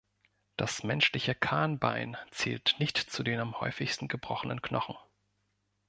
Das menschliche Kahnbein zählt nicht zu den am häufigsten gebrochenen Knochen.